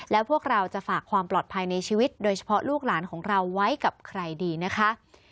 แล้วพวกเราจะฝากความปลอดภัยในชีวิตโดยเฉพาะลูกหลานของเราไว้กับใครดีนะคะ